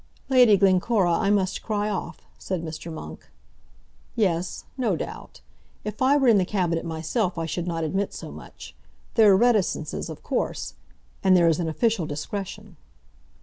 "Lady Glencora, I must cry off," said Mr. Monk. "Yes; no doubt. If I were in the Cabinet myself I should not admit so much. There are reticences, of course. And there is an official discretion."